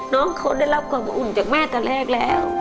น้องเขาได้รับความอบอุ่นจากแม่ตอนแรกแล้ว